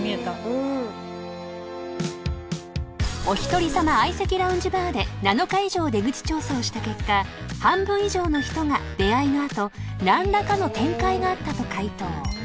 ［おひとりさま相席ラウンジバーで７日以上出口調査をした結果半分以上の人が出会いの後何らかの展開があったと回答］